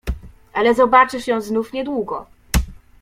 "Ale zobaczysz ją znów niedługo."